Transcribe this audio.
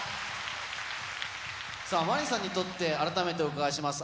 さあ、真凜さんに改めてお伺いします。